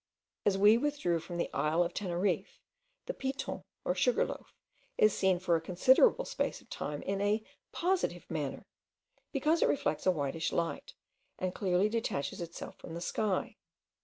As we withdraw from the isle of Teneriffe, the Piton or Sugar loaf is seen for a considerable space of time in a POSITIVE MANNER, because it reflects a whitish light, and clearly detaches itself from the sky.